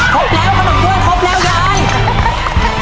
ตีละครั้งครับ